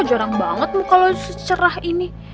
jarang banget muka lo secerah ini